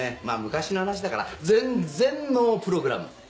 まぁ昔の話だから全然ノープログラム！